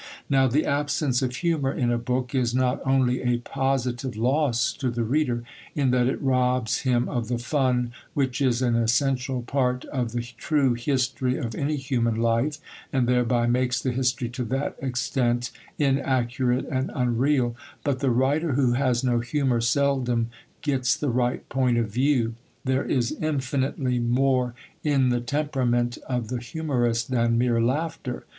Now, the absence of humour in a book is not only a positive loss to the reader, in that it robs him of the fun which is an essential part of the true history of any human life, and thereby makes the history to that extent inaccurate and unreal, but the writer who has no humour seldom gets the right point of view. There is infinitely more in the temperament of the humorist than mere laughter.